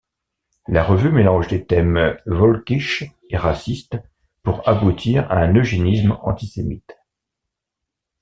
La revue mélange des thèmes völkisches et racistes, pour aboutir à un eugénisme antisémite.